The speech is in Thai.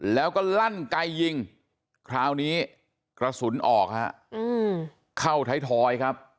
แล้วก็ลั่นไกยิงคราวนี้กระสุนออกฮะเข้าไทยทอยครับ